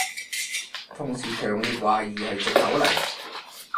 同事強烈懷疑係藉口嚟